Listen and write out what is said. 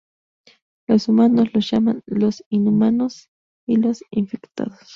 Los humanos los llaman "Los Inhumanos" y los "Infectados".